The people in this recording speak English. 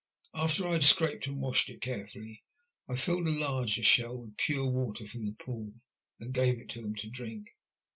After I had scraped and washed it carefully, I filled a larger shell with pure water from the pool and gave it to them to drink.